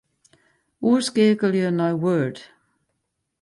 Oerskeakelje nei Word.